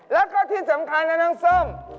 แล้วก็ที่สำคัญนะน้องส้ม